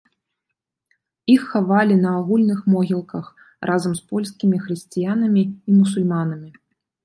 Іх хавалі на агульных могілках разам з польскімі хрысціянамі і мусульманамі.